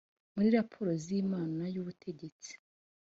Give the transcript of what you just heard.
muri raporo z’inama y’ubutegetsi